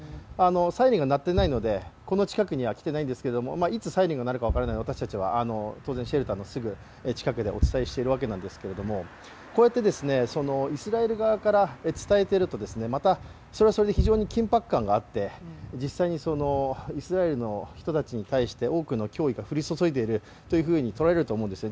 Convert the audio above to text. サイレンが鳴っていないので、この近くにはきていないんですけどいつサイレンが鳴るのか分からないので私たち、当然シェルターの近くでお伝えしているわけなんですが、こうやってイスラエル側から伝えていると、またそれはそれで非常に緊迫感があって、実際にイスラエルの人たちに対して多くの脅威が降り注いでいるというふうに捉えられているんですね。